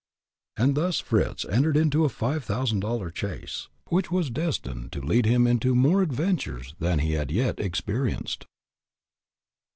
And thus Fritz entered into a five thousand dollar chase, which was destined to lead him into more adventures than he had yet experienced.